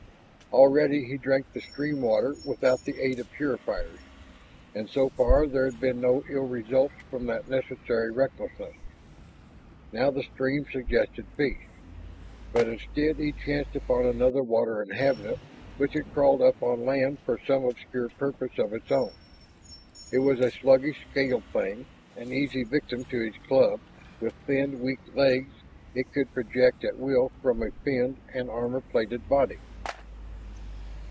Already he drank the stream water without the aid of purifiers, and so far there had been no ill results from that necessary recklessness. Now the stream suggested fish. But instead he chanced upon another water inhabitant which had crawled up on land for some obscure purpose of its own. It was a sluggish scaled thing, an easy victim to his club, with thin, weak legs it could project at will from a finned and armor plated body.